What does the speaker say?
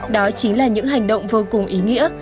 đó chính là những hành động vô cùng ý nghĩa